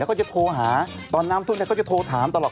ก็จะโทรหาตอนน้ำทุนกันก็จะโทรถามตลอด